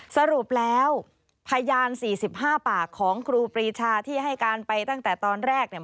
สรุปแล้วพยาน๔๕ปากของครูปรีชาที่ให้การไปตั้งแต่ตอนแรกเนี่ย